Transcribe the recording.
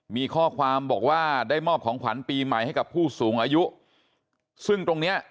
มีข้อความบอกว่าได้มอบของขวัญปีใหม่ให้กับผู้สูงอายุซึ่งตรงเนี้ย